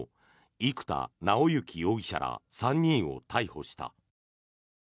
生田尚之容疑者ら３人を逮捕した。